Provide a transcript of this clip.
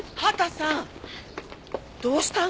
どうしたの？